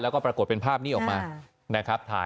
แล้วก็ปรากฏเป็นภาพนี้ออกมานะครับ